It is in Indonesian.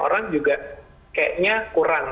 orang juga kayaknya kurang